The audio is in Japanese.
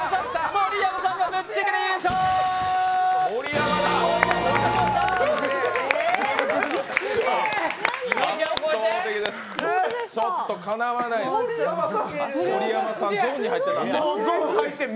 盛山さん、ゾーンに入ってたんで。